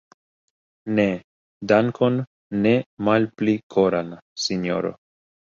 Ne, dankon ne malpli koran, sinjoro.